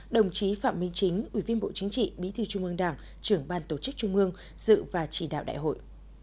đồng chí phạm minh chính ủy viên bộ chính trị bí thư trung ương đảng trưởng ban tổ chức trung ương dự và chỉ đạo đại hội